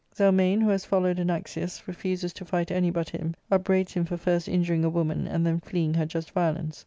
Zelmane, who has followed Anaxius, refuses to fight any but him, upbraids him for first injuring a woman and then fleeing her just violence.